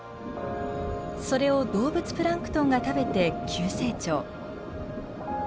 それを動物プランクトンが食べて急成長。